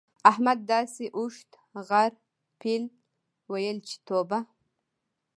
احمد داسې اوښ، غر، پيل؛ ويل چې توبه!